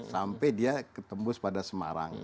sampai dia ketembus pada semarang